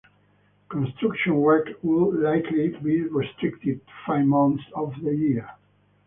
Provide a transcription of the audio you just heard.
Construction work would likely be restricted to five months of the year.